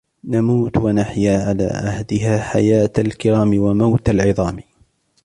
نَمُوتُ وَنَحْيَا عَلَى عَهْدِهَا حَيَاةَ الْكِرَامِ وَمَوْتَ الْعِظَامْ